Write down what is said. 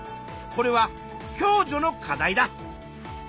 これは共助の課題だ。